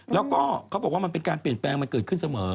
แล้วก็เขาบอกว่ามันเป็นการเปลี่ยนแปลงมันเกิดขึ้นเสมอ